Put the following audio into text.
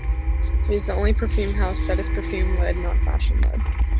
It is the only perfume house that is perfume led, not fashion led.